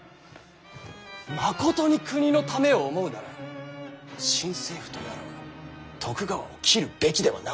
まことに国のためを思うなら新政府とやらは徳川を切るべきではなかった。